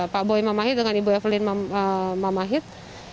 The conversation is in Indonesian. pak boy mamahit dengan ibu evelyn mamahit